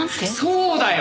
そうだよ！